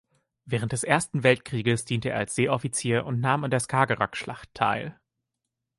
Während des Ersten Weltkrieges diente er als Seeoffizier und nahm an der Skagerrakschlacht teil.